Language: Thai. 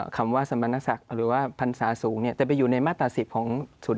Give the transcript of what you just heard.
คำว่าสมณศักดิ์หรือว่าพรรษาสูงจะไปอยู่ในมาตรา๑๐ของ๐๔